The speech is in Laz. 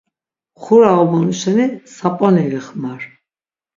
Xura obonu şeni sap̌oni vixmar.